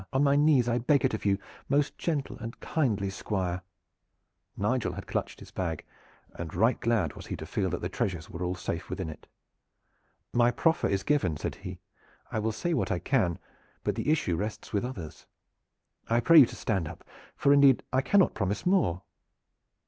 On my knees I beg it of you, most gentle and kindly Squire!" Nigel had clutched his bag, and right glad he was to feel that the treasures were all safe within it. "My proffer is given," said he. "I will say what I can; but the issue rests with others. I pray you to stand up, for indeed I cannot promise more."